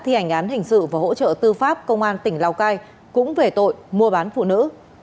thi hành án hình sự và hỗ trợ tư pháp công an tỉnh lào cai cũng về tội mua bán phụ nữ